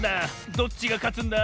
どっちがかつんだ？